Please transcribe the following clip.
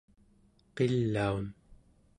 qilaun